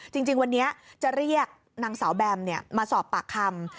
จริงวันนี้จะเรียกนางสาวแบมมาสอบปากคำ